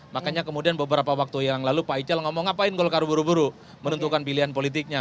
makanya kemudian beberapa waktu yang lalu pak ical ngomong ngapain golkar buru buru menentukan pilihan politiknya